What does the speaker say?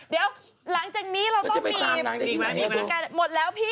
เดี๋ยวหลังจากนี้เราต้องมีพิกหน้ากระดาษหมดแล้วพี่